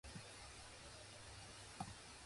Released in Australia and New Zealand.